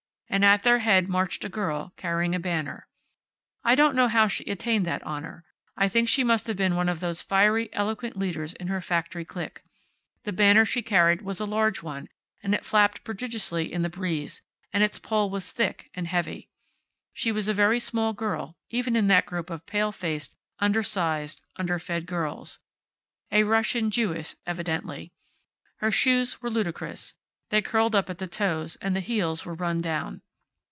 And at their head marched a girl, carrying a banner. I don't know how she attained that honor. I think she must have been one of those fiery, eloquent leaders in her factory clique. The banner she carried was a large one, and it flapped prodigiously in the breeze, and its pole was thick and heavy. She was a very small girl, even in that group of pale faced, under sized, under fed girls. A Russian Jewess, evidently. Her shoes were ludicrous. They curled up at the toes, and the heels were run down.